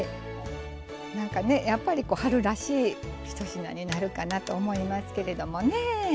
なんかねやっぱり春らしい１品になるかなと思いますけれどもね。